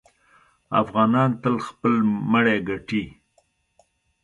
افغانان تل خپل مړی ګټي.